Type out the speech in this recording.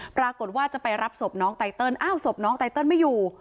ปรากฏว่าจะไปรับศพน้องไตเติลอ้าวศพน้องไตเติลไม่อยู่